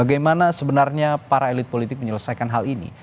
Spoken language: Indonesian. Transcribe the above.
dan selesaikan hal ini